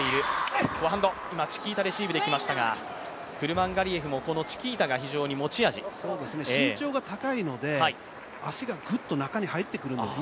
今、チキータレシーブできましたが、クルマンガリエフも身長が高いので足がグッと中に入ってくるんです。